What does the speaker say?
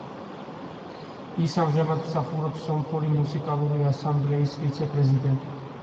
ის ამჟამად მსახურობს სომხური მუსიკალური ასამბლეის ვიცე-პრეზიდენტად.